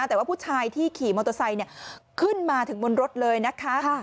แต่ว่าผู้ชายที่ขี่มอเตอร์ไซค์ขึ้นมาถึงบนรถเลยนะคะ